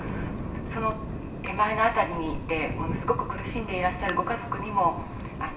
その手前の辺りにいてものすごく苦しんでいらっしゃるご家族にもあの。